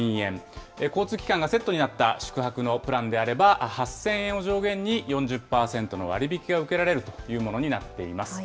交通機関がセットになった宿泊のプランであれば、８０００円を上限に４０％の割引が受けられるというものになっています。